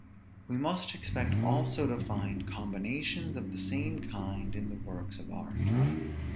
We must expect also to find combinations of the same kind in the works of art.